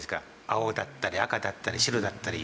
青だったり赤だったり白だったり。